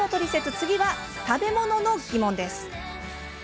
次は、食べ物の疑問。